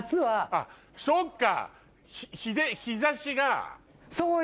あっそっか！